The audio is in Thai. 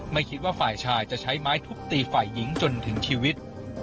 ไม่คิดว่าฝ่ายชายจะใช้ไม้ทุบตีฝ่ายหญิงจนถึงชีวิต